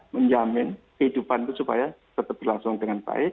menjamin kehidupan itu supaya tetap berlangsung dengan baik